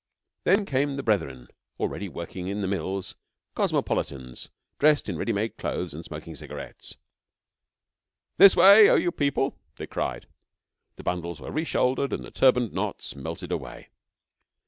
Then came the brethren already working in the mills cosmopolitans dressed in ready made clothes, and smoking cigarettes. 'This way, O you people,' they cried. The bundles were reshouldered and the turbaned knots melted away.